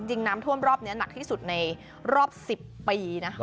จริงน้ำท่วมรอบนี้หนักที่สุดในรอบ๑๐ปีนะคะ